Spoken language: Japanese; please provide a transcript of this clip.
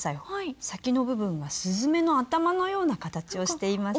先の部分が雀の頭のような形をしていますね。